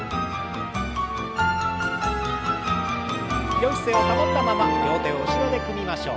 よい姿勢を保ったまま両手を後ろで組みましょう。